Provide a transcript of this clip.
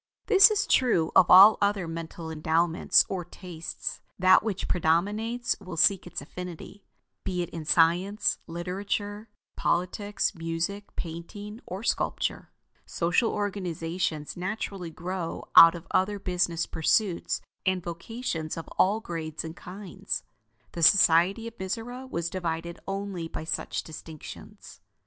This is true of all other mental endowments or tastes; that which predominates will seek its affinity; be it in science, literature, politics, music, painting, or sculpture. Social organizations naturally grow out of other business pursuits and vocations of all grades and kinds. The society of Mizora was divided only by such distinctions.